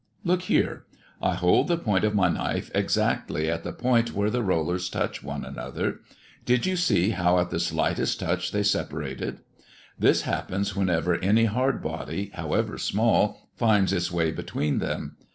Look here. I hold the point of my knife exactly at the point where the rollers touch one another. Did you see how at the slightest touch they separated? This happens whenever any hard body, however small, finds its way between them.